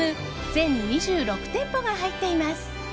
全２６店舗が入っています。